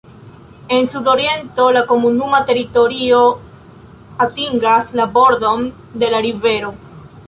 En sudoriento la komunuma teritorio atingas la bordon de la rivero.